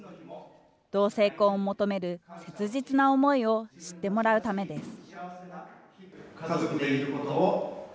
同性婚を求める切実な思いを知ってもらうためです。